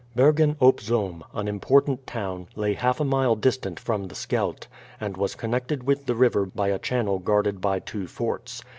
Bergen op Zoom, an important town, lay half a mile distant from the Scheldt, and was connected with the river by a channel guarded by two forts.